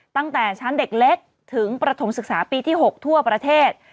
ตั้งแต่ชั้นเด็กเล็กถึงประถมศึกษาปีที่๖ทั่วประเทศ